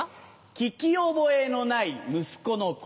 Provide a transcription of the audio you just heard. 聞き覚えのない息子の声。